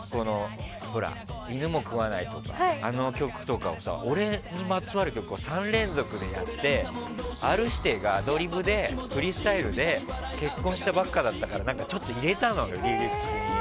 「犬も食わない」とかあの曲とかを俺にまつわる曲を３連続でやってＲ‐指定が、アドリブでフリースタイルで結婚したばっかだったからちょっと入れたのよ、リリックに。